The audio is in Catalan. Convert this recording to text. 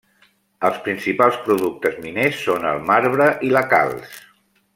Els principals productes miners són el marbre i la calç.